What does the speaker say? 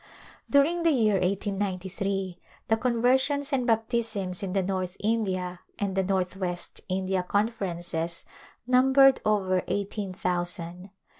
During theyear 1893 ^^ conversions and baptisms in the North India and the Northwest India Conferences numbered over eighteen thousand.